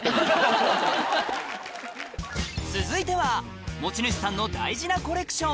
続いては持ち主さんの大事なコレクション